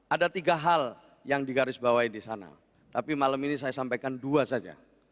ada tiga hal yang digarisbawahi di sana tapi malam ini saya sampaikan dua saja